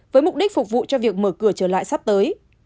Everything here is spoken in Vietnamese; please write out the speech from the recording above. với mục đích phục vụ cho việc mở cửa trở lại sắp tới